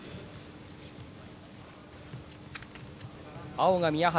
青が宮原。